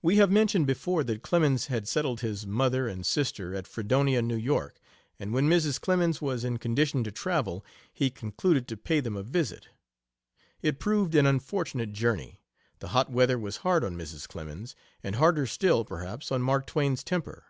We have mentioned before that Clemens had settled his mother and sister at Fredonia, New York, and when Mrs. Clemens was in condition to travel he concluded to pay them a visit. It proved an unfortunate journey; the hot weather was hard on Mrs. Clemens, and harder still, perhaps, on Mark Twain's temper.